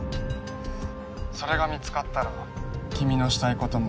☎それが見つかったら君のしたいことも